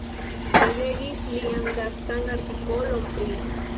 Mi legis lian lastan artikolon pri.